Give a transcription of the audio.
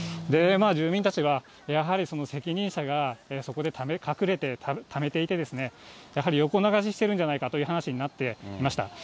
住民たちは、やはり責任者がそこで隠れてためていて、やはり横流ししてるんじゃないかという話になっていました。